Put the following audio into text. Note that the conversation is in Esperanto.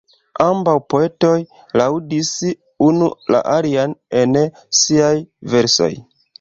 Ambaŭ poetoj laŭdis unu la alian en siaj versoj.